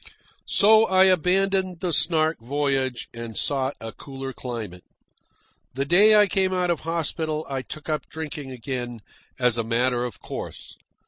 So I abandoned the Snark voyage and sought a cooler climate. The day I came out of hospital I took up drinking again as a matter of course.